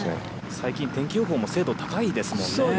最近天気も精度高いですもんね。